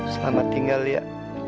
selamat tinggal lia